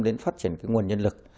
đến phát triển nguồn nhân lực